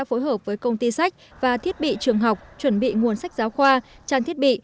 phối hợp với công ty sách và thiết bị trường học chuẩn bị nguồn sách giáo khoa trang thiết bị